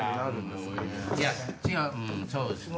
いや違ううんそうですね。